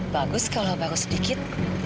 bagus kalau baru sedikit